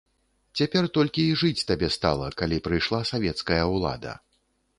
Цяпер толькі і жыць табе стала, калі прыйшла савецкая ўлада.